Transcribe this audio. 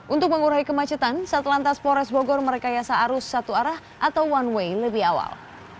untuk mengurangi kemacetan saat lantas polres bogor mereka yasa arus satu arah atau one way lebih awal